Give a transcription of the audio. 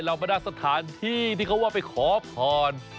บรรดาสถานที่ที่เขาว่าไปขอพร